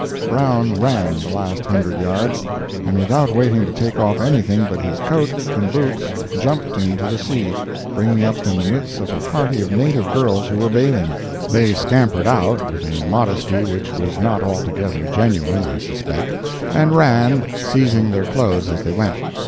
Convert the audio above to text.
Brown ran, the last hundred yards, and without waiting to take off anything but his coat and boots jumped into the sea, bringing up in the midst of a party of native girls who were bathing. They scampered out, with a modesty which was not altogether genuine, I suspect, and ran, seizing their clothes as they went.